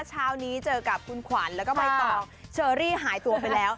เช้านี้เจอกับคุณขวัญแล้วก็ใบตองเชอรี่หายตัวไปแล้ว